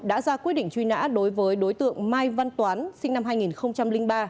đã ra quyết định truy nã đối với đối tượng mai văn toán sinh năm hai nghìn ba